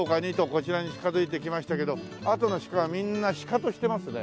こちらに近づいてきましたけどあとの鹿はみんなシカトしてますね。